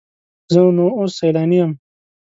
زه نو اوس سیلانی یم.